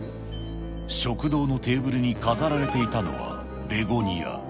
食堂のテーブルに飾られていたのは、ベゴニア。